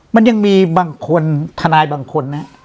มันยังมีบางคนทนายบางคนนะ